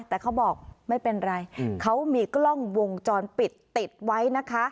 แต่เขาบอกไม่เป็นไรเขามีกล้องวงจรปิดติดไว้นะคะ